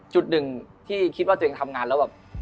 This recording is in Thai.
จุดหนึ่งที่คิดว่าตัวเองทำงานแล้วแบบ